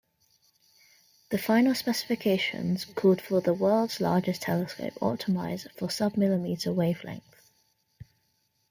The final specifications called for the "world's largest telescope optimised for submillimetre wavelengths".